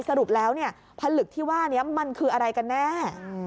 สรุปแล้วผลึกที่ว่านี้มันคืออะไรกันแน่